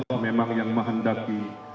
kami akan mencari kemampuan